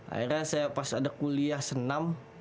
akhirnya saya pas ada kuliah senam